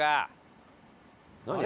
何？